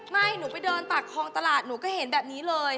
หนูไปเดินปากคลองตลาดหนูก็เห็นแบบนี้เลย